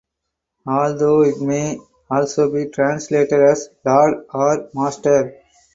Although it may also be translated as "Lord" or "Master".